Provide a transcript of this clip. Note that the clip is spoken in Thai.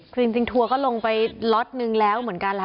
คือจริงทัวร์ก็ลงไปล็อตนึงแล้วเหมือนกันล่ะ